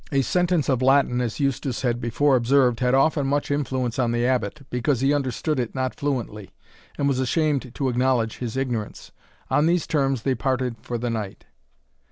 A sentence of Latin, as Eustace had before observed, had often much influence on the Abbot, because he understood it not fluently, and was ashamed to acknowledge his ignorance. On these terms they parted for the night.